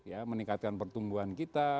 ya meningkatkan pertumbuhan kita